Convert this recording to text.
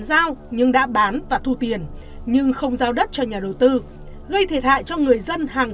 giao nhưng đã bán và thu tiền nhưng không giao đất cho nhà đầu tư gây thiệt hại cho người dân hàng